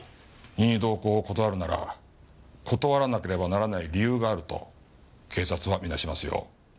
任意同行を断るなら断らなければならない理由があると警察はみなしますよ。